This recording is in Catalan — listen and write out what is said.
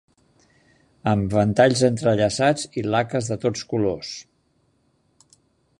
Am ventalls entrellaçats i laques de tots colors